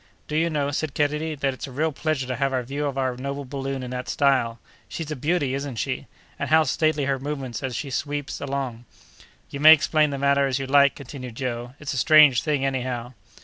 Do you know," said Kennedy, "that it's a real pleasure to have a view of our noble balloon in that style? She's a beauty, isn't she?—and how stately her movements as she sweeps along!" "You may explain the matter as you like," continued Joe, "it's a strange thing, anyhow!"